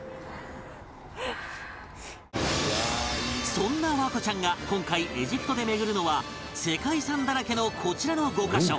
そんな環子ちゃんが今回エジプトで巡るのは世界遺産だらけのこちらの５カ所